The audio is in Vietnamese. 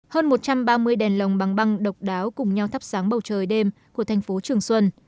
hơn một trăm ba mươi đèn lồng băng băng độc đáo cùng nhau thắp sáng bầu trời đêm của thành phố trường xuân